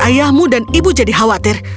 ayahmu dan ibu jadi khawatir